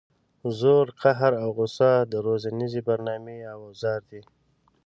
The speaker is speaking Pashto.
زور قهر او غصه د روزنیزې برنامې اوزار دي.